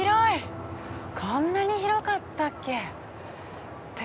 こんなに広かったっけ。